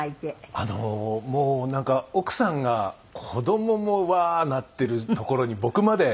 あのもうなんか奥さんが子どももうわー！なってるところに僕まで。